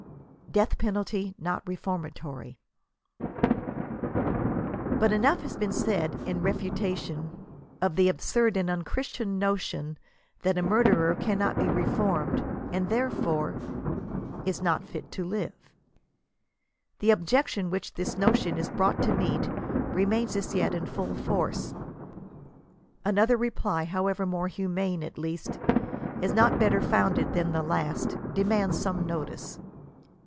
DEATH PENALTY NOT REFORMATORY. But enough has now been said in refutation of the absurd and unchristian notion that a murderer cannot be reformed, and therefore is not fit to live.'* The objection which this notion is broqght to meet, remains as yet in full force. Another reply, however, more humane, at least, if not better founded than the last, demands some notice.